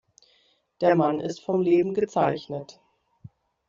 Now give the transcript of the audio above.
Der Mann ist vom Leben gezeichnet.